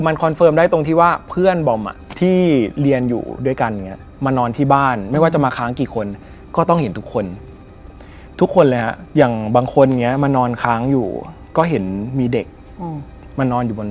เนี่ยผมถามก่อน